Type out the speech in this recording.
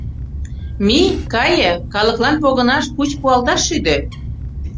Мий, кае, калыклан погынаш пуч пуалташ шӱдӧ.